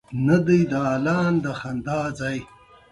د دغي کیسې په پای کي د مننې پیغام نغښتی دی.